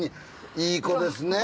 いい子ですねえ。